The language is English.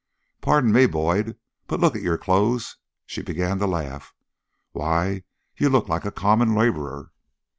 Pardon me, Boyd, but look at your clothes." She began to laugh. "Why, you look like a common laborer!"